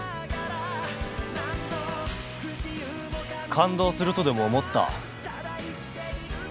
感動するとでも思った？